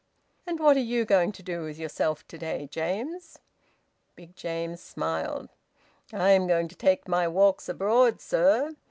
"And what are you going to do with yourself to day, James?" Big James smiled. "I'm going to take my walks abroad, sir.